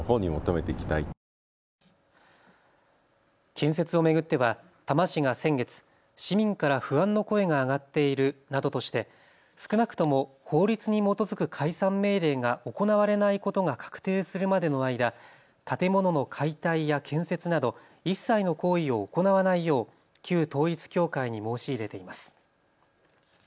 建設を巡っては多摩市が先月、市民から不安の声が上がっているなどとして少なくとも法律に基づく解散命令が行われないことが確定するまでの間、建物の解体や建設など一切の行為を行わないよう旧統一教会に申し入れています。